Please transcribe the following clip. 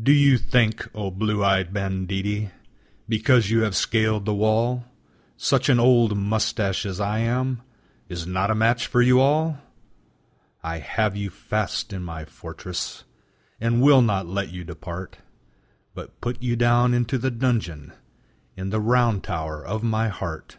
Do you think, o blue eyed banditti, Because you have scaled the wall, Such an old mustache as I am Is not a match for you all! I have you fast in my fortress, And will not let you depart, But put you down into the dungeon In the round tower of my heart.